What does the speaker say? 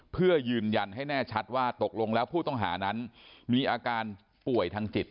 เพื่อยืนยันให้แน่ชัดว่าตกลงแล้วผู้ต้องหานั้นมีอาการป่วยทางจิต